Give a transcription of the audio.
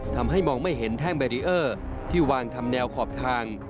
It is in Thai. ทำให้มองไม่เห็นแท่งแบรีเออร์ที่วางทำแนวขอบทาง